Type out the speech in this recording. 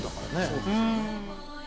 そうですよね。